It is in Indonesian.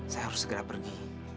saya harus segera pergi